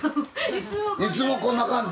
いつもこんな格好。